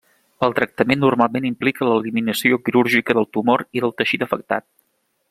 El tractament normalment implica l'eliminació quirúrgica del tumor i del teixit afectat.